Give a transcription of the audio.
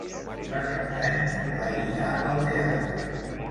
Per Cap d'Any en Blai irà al teatre.